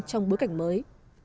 trong bối cảnh mới